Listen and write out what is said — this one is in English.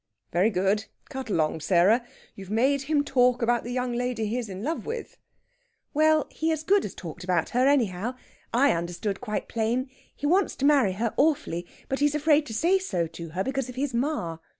"Very good! Cut along, Sarah! You've made him talk about the young lady he's in love with...?" "Well, he as good as talked about her, anyhow! I understood quite plain. He wants to marry her awfully, but he's afraid to say so to her, because of his ma."